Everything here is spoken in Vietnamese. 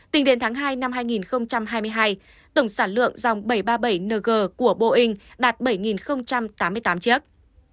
tính đến tháng hai năm hai nghìn hai mươi hai tổng sản lượng dòng bảy trăm ba mươi bảy ng của boeing đạt bảy tám mươi tám chiếc